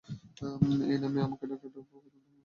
এই নামে আমাকে ডাকাটা পছন্দ হলো না!